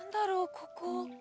ここ。